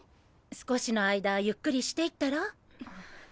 少しの間ゆっくりしていったら？